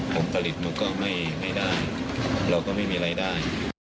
ผลผลิตมันก็ไม่ได้เราก็ไม่มีรายได้